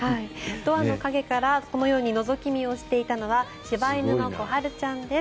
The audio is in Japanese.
ドアの陰からこのようにのぞき見していたのは柴犬の小春ちゃんです。